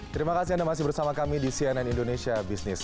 terima kasih anda masih bersama kami di cnn indonesia business